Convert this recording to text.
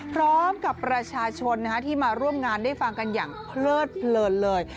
พร้อมกับประชาชนที่มาร่วมงานได้ฟังกันอย่างเพลิดเพลินเลย